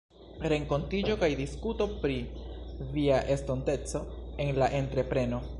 rekontiĝo kaj diskuto pri via estonteco en la entrepreno.